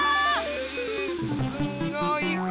すごい声。